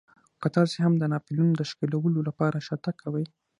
که تاسې هم د ناپلیون د ښکېلولو لپاره شاتګ کوئ.